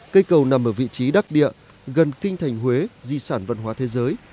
cây cầu nằm ở vị trí đắc địa gần kinh thành huế di sản văn hóa thế giới